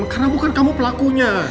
karena bukan kamu pelakunya